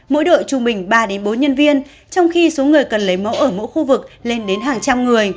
mỗi đội trung bình ba bốn nhân viên trong khi số người cần lấy mẫu ở mỗi khu vực lên đến hàng trăm người